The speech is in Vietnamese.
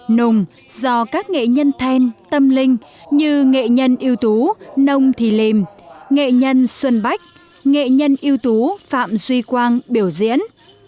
nùng do các nghệ nhân thên tâm linh như nghệ nhân yêu tú nông thì lìm nghệ nhân xuân bách nghệ nhân yêu tú phạm duy quang biểu diễn